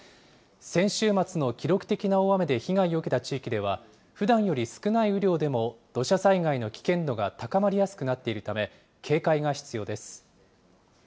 先週末の記録的な大雨で被害を受けた地域では、ふだんより少ない雨量でも土砂災害の危険度が高まりやすくなっているため、警戒が必要です。